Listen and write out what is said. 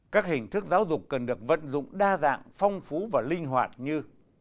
các hình thức giáo dục cần được vận dụng đa dạng phong phú và linh hoạt như